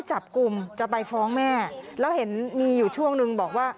จับกลุ่มจะไปฟ้องแม่แล้วเห็นมีอยู่ช่วงนึงบอกว่า